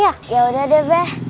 ya udah deh be